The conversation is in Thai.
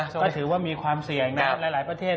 ก็ถือว่ามีความเสี่ยงในหลายประเทศ